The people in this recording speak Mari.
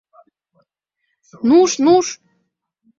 — Нуш, нуш!..